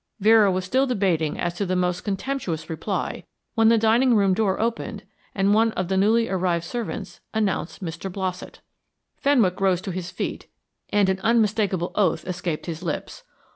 Vera was still debating as to the most contemptuous reply when the dining room door opened and one of the newly arrived servants announced Mr. Blossett. Fenwick rose to his feet and an unmistakable oath escaped his lips.